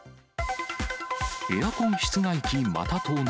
エアコン室外機また盗難。